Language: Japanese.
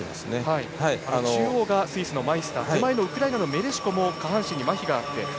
中央がスイスのマイスター手前のウクライナのメレシコも下半身にまひがあります。